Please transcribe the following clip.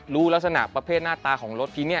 รู้ลักษณะประเภทหน้าตาของรถที่นี่